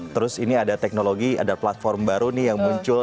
terus ini ada teknologi ada platform baru nih yang muncul